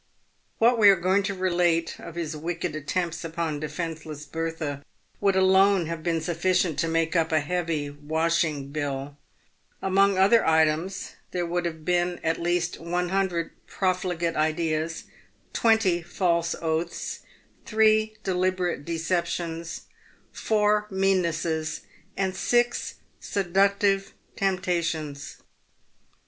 "What we are going to relate of his wicked attempts upon defenceless Bertha would alone have been sufficient to make up a heavy washing bill. Among other items, there w r ould have been at least 100 profligate ideas, 20 false oaths, 3 deliberate deceptions, 4 meannesses, and 6 seductive temptations.